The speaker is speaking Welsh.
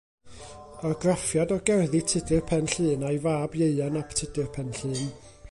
Argraffiad o gerddi Tudur Penllyn a'i fab Ieuan ap Tudur Penllyn.